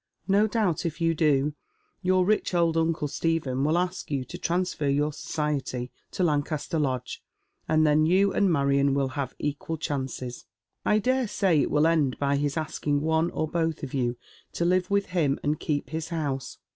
No doubt if you do, your rich old uncle Stephen will ask you to transfer your society to Lancaster Lodge, and then you and Maiion will have equal chances. I dare say it will end by his asking one or both of you to live with him and keep his house.